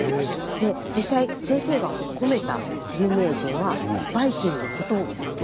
で実際先生が褒めた有名人はバイきんぐ小峠さん。